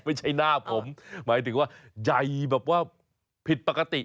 ไม่ใช่หน้าผมหมายถึงว่าใหญ่แบบว่าผิดปกติ